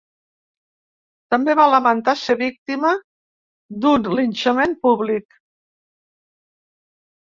També va lamentar ser víctima d’un ‘linxament públic’.